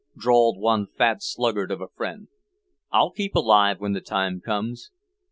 drawled one fat sluggard of a friend. "I'll keep alive when the time comes."